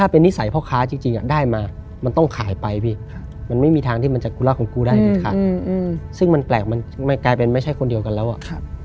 เป็นไม่ใช่คนเดียวกันแล้วอะ